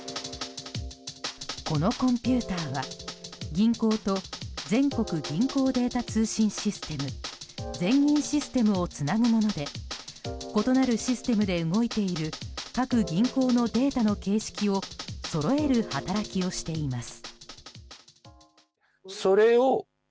このコンピューターは、銀行と全国銀行データ通信システム全銀システムをつなぐもので異なるシステムで動いている各銀行のデータの形式をそろえる働きをしています。